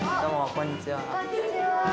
こんにちは。